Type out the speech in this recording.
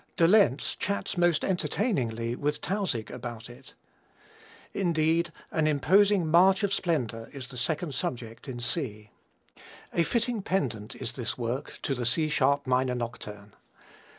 De Lenz chats most entertainingly with Tausig about it. Indeed, an imposing march of splendor is the second subject in C. A fitting pendant is this work to the C sharp minor Nocturne.